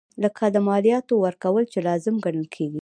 لکه د مالیاتو ورکول چې لازم ګڼل کیږي.